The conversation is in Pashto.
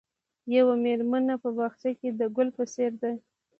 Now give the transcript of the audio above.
یوه مېرمنه په باغچه کې د ګل په څېر ده.